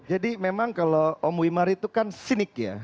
jadi memang kalau om wimari itu kan sinik ya